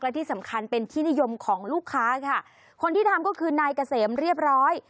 และที่สำคัญเป็นที่นิยมของลูกค้าค่ะคนที่ทำก็คือนายเกษมเรียบร้อย